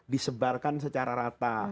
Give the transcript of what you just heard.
disebarkan secara rata